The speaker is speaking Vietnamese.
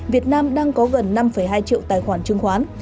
việt nam đang có gần năm hai triệu tài khoản trương khoán